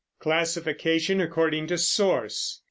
CLASSIFICATION ACCORDING TO SOURCE.